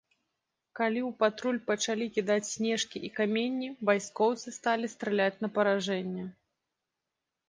Калі ў патруль пачалі кідаць снежкі і каменні, вайскоўцы сталі страляць на паражэнне.